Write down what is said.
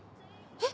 えっ？